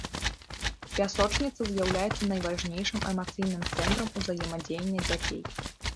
Пясочніца з'яўляецца найважнейшым эмацыйным цэнтрам узаемадзеяння дзяцей.